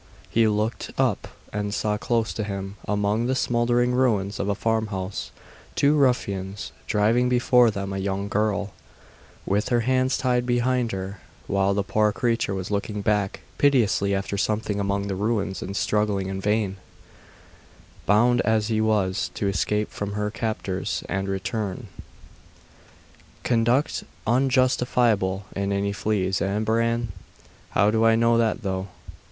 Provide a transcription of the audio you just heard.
He looked up, and saw close to him, among the smouldering ruins of a farmhouse, two ruffians driving before them a young girl, with her hands tied behind her, while the poor creature was looking back piteously after something among the ruins, and struggling in vain, bound as she was, to escape from her captors and return. 'Conduct unjustifiable in any fleas, eh, Bran? How do I know that, though?